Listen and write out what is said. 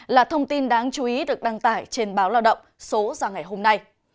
là thông tin đáng chú ý được đăng tải trên báo lao động số ra ngày hôm nay